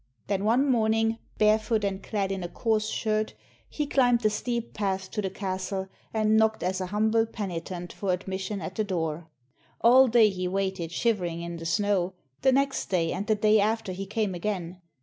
Then one morning, barefoot and clad in a coarse shirt, he climbed the steep path to the castle, and knocked as a humble penitent for admission at the door. All day he waited shivering in the snow; the next day and the day after he came again.